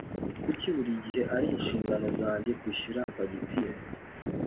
kuki buri gihe ari inshingano zanjye kwishyura fagitire